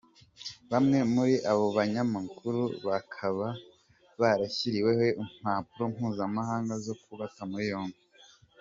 Bamwe muri abo banyamakuru bakaba barashyiriweho impapuro mpuzamahanga zo kubata muri yombi.